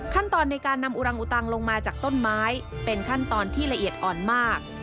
ขั้นตอนในการนำอุรังอุตังลงมาจากต้นไม้เป็นขั้นตอนที่ละเอียดอ่อนมาก